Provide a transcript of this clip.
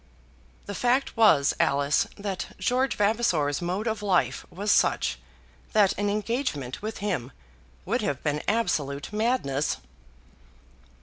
"The fact was, Alice, that George Vavasor's mode of life was such that an engagement with him would have been absolute madness."